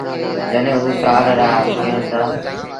جڏهيݩ او سآل رآ ٿئيڻ دآ۔